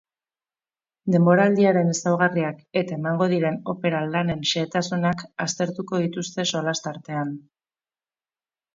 Denboraldiaren ezaugarriak eta emango diren opera lanen xehetasunak aztertuko dituzte solas tartean.